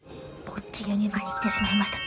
ぼっちユニバに来てしまいました。